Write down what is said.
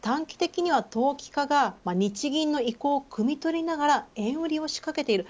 ただし、短期的には投機家が日銀の意向をくみ取りながら円売りを仕掛けている。